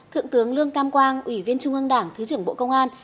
thượng tướng lương tam quang ủy viên trung ương đảng thứ trưởng bộ công an